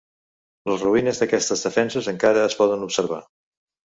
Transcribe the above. Les ruïnes d'aquestes defenses encara es poden observar.